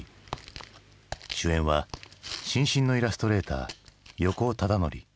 主演は新進のイラストレーター横尾忠則。